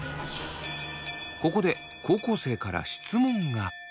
ここで高校生から質問が。